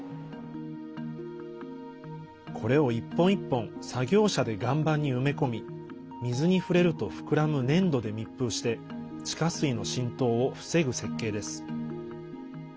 これを一本一本作業車で岩盤に埋め込み水に触れると膨らむ粘土で密封して地下水の浸透を防ぐ設計です。